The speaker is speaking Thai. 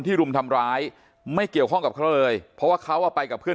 รุมทำร้ายไม่เกี่ยวข้องกับเขาเลยเพราะว่าเขาอ่ะไปกับเพื่อน